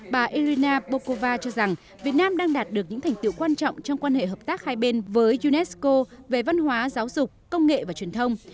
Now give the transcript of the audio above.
bà erina bokova cho rằng việt nam đang đạt được những thành tiệu quan trọng trong quan hệ hợp tác hai bên với unesco về văn hóa giáo dục công nghệ và truyền thông